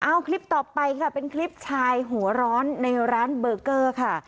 เอาคลิปต่อไปค่ะเป็นคลิปชายหัวร้อนในร้านเบอร์เกอร์ค่ะ